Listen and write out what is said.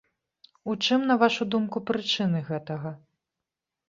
У чым, на вашу думку, прычыны гэтага?